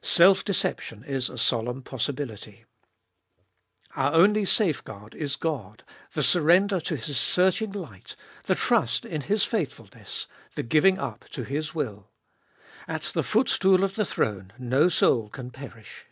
1. Self deception is a solemn possibility. Our only safeguard is God, the surrender to His searching light, the trust in His faithfulness, the gluing up to His will. At the footstool of the throne no soul can perish.